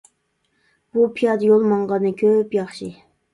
بۇ پىيادە يول ماڭغاندىن كۆپ ياخشى.